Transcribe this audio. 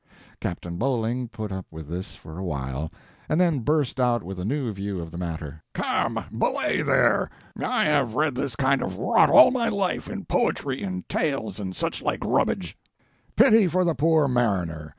Captain Bowling put up with this for a while, and then burst out with a new view of the matter. "Come, belay there! I have read this kind of rot all my life in poetry and tales and such like rubbage. Pity for the poor mariner!